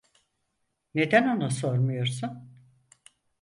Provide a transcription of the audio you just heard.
Neden ona sormuyorsun?